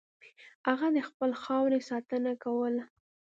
هغه د خپلې خاورې ساتنه کوله.